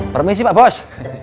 permisi pak bos